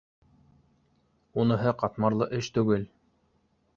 Уныһы ҡатмарлы эш түгел